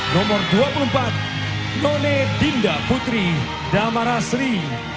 nomor dua puluh empat none dinda putri damarasri